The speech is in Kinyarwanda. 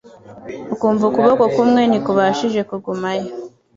ukumva ukuboko kumwe ntikubashije kugumayo,